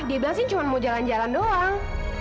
dia bilang sih cuma mau jalan jalan doang